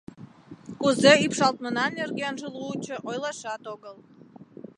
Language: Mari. Кузе ӱпшалтмына нергенже лучо ойлашат огыл.